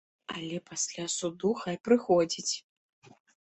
Але пасля суду хай прыходзіць.